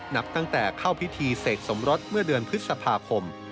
นับตั้งแต่เข้าพิธีเสกสมรสเมื่อเดือนพฤษภาคม